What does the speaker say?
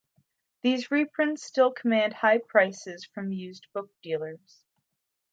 These reprints still command high prices from used book dealers.